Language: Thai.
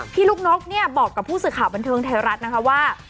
ลูกนกเนี่ยบอกกับผู้สื่อข่าวบันเทิงไทยรัฐนะคะว่า